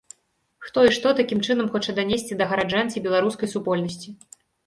Хто і што такім чынам хоча данесці да гараджан ці беларускай супольнасці?